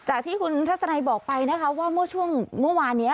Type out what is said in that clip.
จากที่คุณทัศนายบอกไปว่าช่วงเมื่อวานนี้